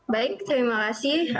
baik terima kasih